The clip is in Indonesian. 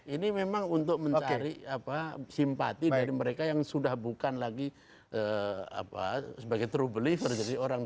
ini memang untuk mencari simpati dari mereka yang sudah bukan lagi true believer